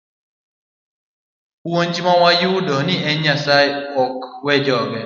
Puonj ma wayudo en ni Nyasaye ok we joge.